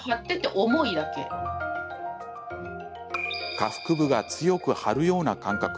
下腹部が強く張るような感覚。